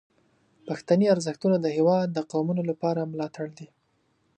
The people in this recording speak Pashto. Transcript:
پښتني ارزښتونه د هیواد د قومونو لپاره ملاتړ دي.